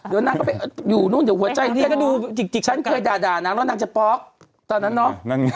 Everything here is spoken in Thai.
รู้ซิก็ทำงานกับนางทุกวัน